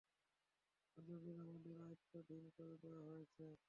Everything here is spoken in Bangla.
এ যমীন তোমাদের আয়ত্তাধীন করে দেয়া হয়েছে।